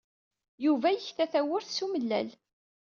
Yuba yekta tawwurt s umellal.